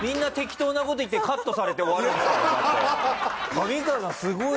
みんな上川さんすごい。